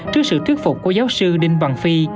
trước sự thuyết phục của giáo sư đinh bằng phi